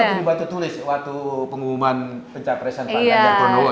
ini waktu dibatu tulis waktu pengumuman pencapaian presiden pak ganjar pranowo